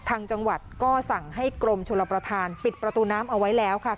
ทางจังหวัดก็สั่งให้กรมชลประธานปิดประตูน้ำเอาไว้แล้วค่ะ